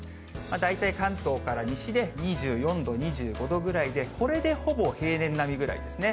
大体関東から西で２４度、２５度ぐらいで、これでほぼ平年並みぐらいですね。